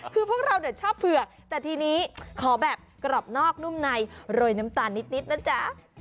คือพวกเราชอบเผือกแต่ทีนี้ขอแบบกรอบนอกนุ่มในโรยน้ำตาลนิดนะจ๊ะ